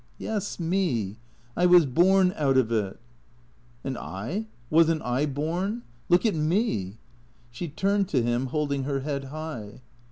" Yes, me. I was born out of it." "And I — wasn't I born? Look at me?" She turned to him, holding her head high.